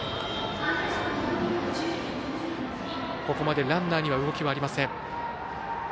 ここまでランナーには動きはありません。